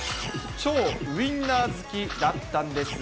そう、ウインナー好きだったんですが。